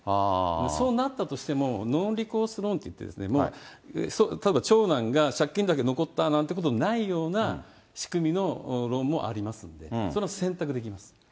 そうなったとしても、コースローンっていって、例えば長男が借金だけ残ったなんてことがないような仕組みのローンもありますんで、その選択できます。